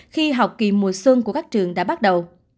khi học kỳ mùa xuân của các trường đã bắt đầu